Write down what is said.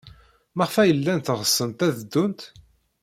Maɣef ay llant ɣsent ad ddunt?